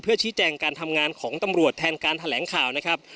ชี้แจงการทำงานของตำรวจแทนการแถลงข่าวนะครับ